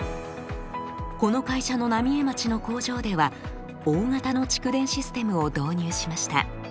この会社の浪江町の工場では大型の蓄電システムを導入しました。